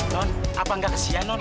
non apa nggak kesian non